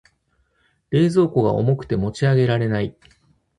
冷蔵庫が重くて持ち上げられない。